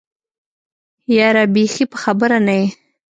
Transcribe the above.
يره بېخي په خبره نه يې.